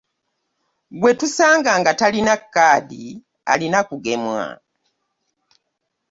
Gwe tusanga nga talina kkaadi alina kugemwa.